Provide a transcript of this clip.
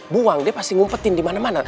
buang dia pasti ngumpetin dimana mana